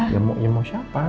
ya mau siapa